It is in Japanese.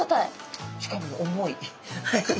しかも重い。